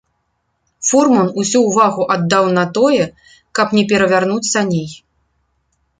Фурман усю ўвагу аддаў на тое, каб не перавярнуць саней.